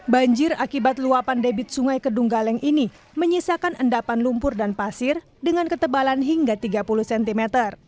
banjir akibat luapan debit sungai kedunggaleng ini menyisakan endapan lumpur dan pasir dengan ketebalan hingga tiga puluh cm